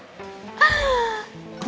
gue yakin banget